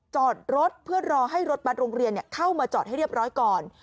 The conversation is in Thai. จอดรถเพื่อรอให้รถบัตรโรงเรียนเข้ามาจอดให้เรียบร้อยก่อน